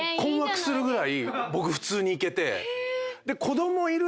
僕普通にいけて。